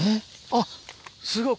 あっすごい！